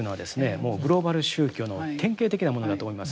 もうグローバル宗教の典型的なものだと思います。